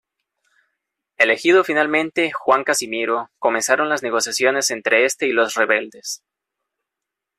Elegido finalmente Juan Casimiro, comenzaron las negociaciones entre este y los rebeldes.